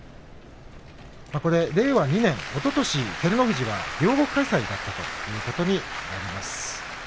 これ、令和２年おととし照ノ富士が両国開催だったということになります。